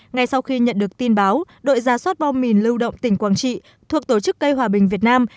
ngay sau khi nhận được tin báo đội gia soát bom mìn lưu động tỉnh quảng trị thuộc tổ chức cây hòa bình việt nam